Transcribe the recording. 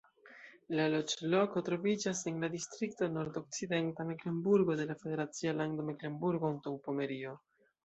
La loĝloko troviĝas en la distrikto Nordokcidenta Meklenburgo de la federacia lando Meklenburgo-Antaŭpomerio.